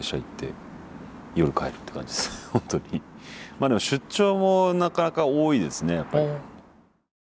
まあでも出張もなかなか多いですねやっぱり。